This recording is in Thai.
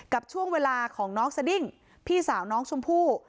กับช่วงเวลาของน้องสดิ้งพี่สาวน้องชมพู่